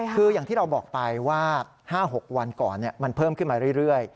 คืออย่างที่เราบอกไปว่า๕๖วันก่อนมันเพิ่มขึ้นมาเรื่อย